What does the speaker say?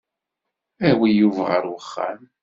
Awi Yuba ɣer uxxam.